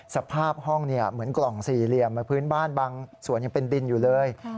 สภาพห้องเหมือนกล่องสี่เหลี่ยมพื้นบ้านบางส่วนยังเป็นดินอยู่เลย